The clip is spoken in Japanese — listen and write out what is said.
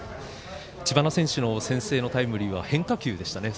知花選手の先制のタイムリーは変化球でしたね。